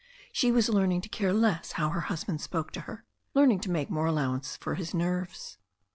She was learning to care less how her husband spoke to her, learning to make more allow ance for his nerves.